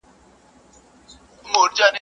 د مور ورځ دي ټولو میندو ته مبارک وي.